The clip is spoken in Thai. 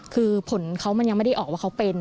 คือผลเขามันยังไม่ได้ออกว่าเขาเป็น